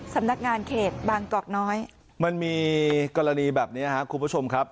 สำนักงานเขตบางกอกน้อยมันมีกรณีแบบนี้ครับคุณผู้ชมครับ